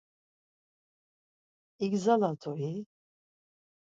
İgzalat̆u-i?